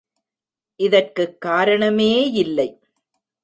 இதற்குக் காரணமே யில்லை.